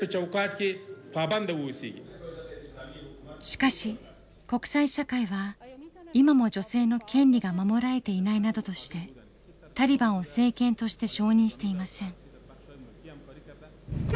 しかし国際社会は今も女性の権利が守られていないなどとしてタリバンを政権として承認していません。